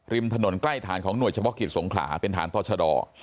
ริมถนนใกล้ฐานของหน่วยเฉพาะกิจสงขลาเป็นฐานต่อชะดอ